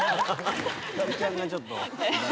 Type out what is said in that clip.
ひかりちゃんがちょっと。